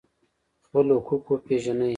خپل حقوق وپیژنئ